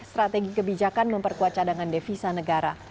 strategi kebijakan memperkuat cadangan devisa negara